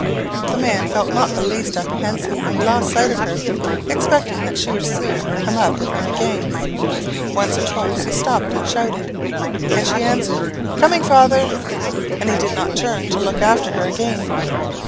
The man felt not the least apprehensive when he lost sight of her, expecting that she would soon come up with him again. Once or twice he stopped and shouted, and she answered, 'Coming, father!' and he did not turn to look after her again.